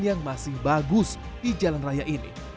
yang masih bagus di jalan raya ini